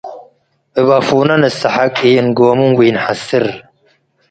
እብ አፉነ ንሰሐቅ - ኢእንጎምም ወኢነሐስር